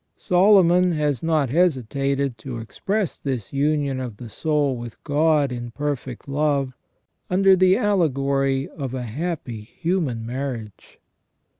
Solomon has not hesitated to express this union of the soul with God in perfect love, under the allegory of a happy human marriage.